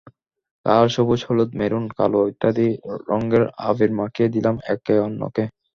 লাল, সবুজ, হলুদ, মেরুন, কালো ইত্যাদি রংয়ের আবির মাখিয়ে দিলাম একে অন্যকে।